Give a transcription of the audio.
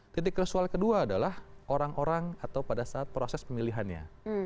titik resual kedua adalah orang orang atau pada saat proses pemilihannya